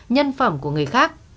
nhân phẩm của người khác